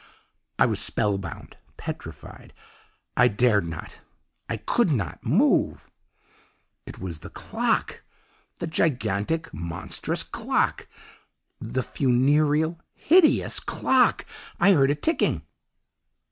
"I was spellbound petrified. I dared not I COULD NOT move. "It was the clock! the gigantic, monstrous clock! the funereal, hideous clock! I heard it ticking!